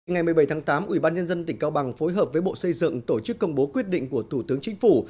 ngày một mươi bảy tháng tám ủy ban nhân dân tỉnh cao bằng phối hợp với bộ xây dựng tổ chức công bố quyết định của thủ tướng chính phủ